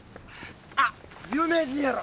あっ有名人やろ！